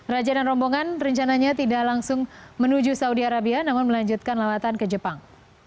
raja dan rombongan rencananya tidak langsung menuju saudi arabia namun melanjutkan lawatan ke jepang